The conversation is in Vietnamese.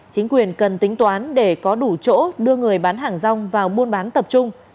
chính quyền cần tính toán để có đủ chỗ đưa người bán hàng rong vào buôn bán tập trung